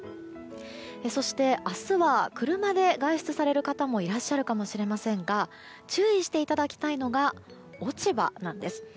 そして、明日は車で外出される方もいらっしゃるかもしれませんが注意していただきたいのが落ち葉なんです。